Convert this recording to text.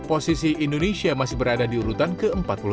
posisi indonesia masih berada di urutan ke empat puluh tiga